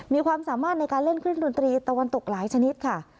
มีความสามารถในการเล่นเครื่องดนตรีตะวันตกหลายชนิดค่ะ